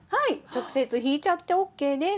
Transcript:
直接引いちゃってＯＫです。